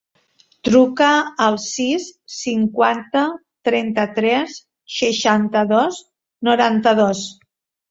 Truca al sis, cinquanta, trenta-tres, seixanta-dos, noranta-dos.